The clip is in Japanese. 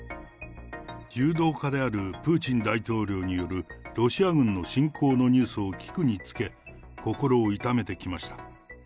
柔道家であるプーチン大統領によるロシア軍の侵攻のニュースを聞くにつけ、心を痛めてきました。